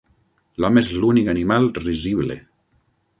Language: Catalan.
L'home és l'únic animal risible.